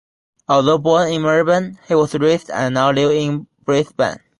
Although born in Melbourne, he was raised, and now lives in Brisbane.